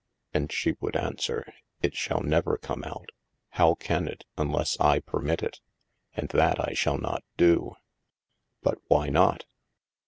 And she would answer: "It shall never come out. How can it, unless I permit it? And that I shall not do." "But why not?"